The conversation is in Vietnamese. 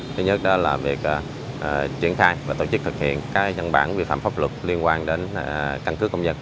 thứ nhất đó là việc triển khai và tổ chức thực hiện các dân bản vi phạm pháp luật liên quan đến căn cước công dân